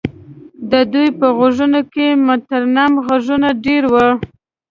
د دوی په غوږونو کې مترنم غږونه دېره وو.